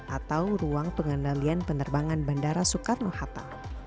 atau ruang pengendalian penerbangan bandara soekarno hatta